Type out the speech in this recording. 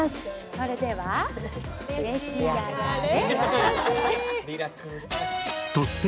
それでは、召し上がれ。